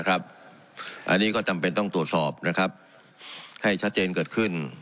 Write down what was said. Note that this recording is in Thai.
อันนี้ก็จำเป็นต้องตรวจสอบให้ชัดเจนเกิดขึ้น